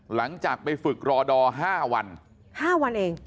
หลังจากไปฝึกรอดอ๕วัน๕วันเอง